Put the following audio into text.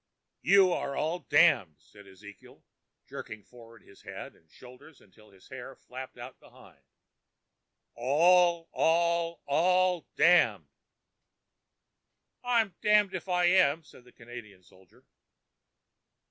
"You are all damned," said Ezekiel, jerking forward his head and shoulders till his hair flapped out behind. "All, all, all damned." "I'm damned if I am," said the Canadian soldier.